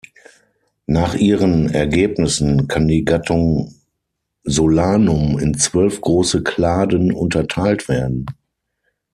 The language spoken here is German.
Nach ihren Ergebnissen kann die Gattung Solanum in zwölf große Kladen unterteilt werden.